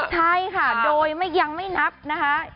ใช่ค่ะโดยยังไม่นับนะคะ